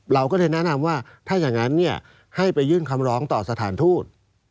เราก็เลยแนะนำว่าถ้าอย่างนั้นให้ไปยื่นคำร้องต่อสถานทูต